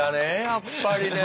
やっぱりね。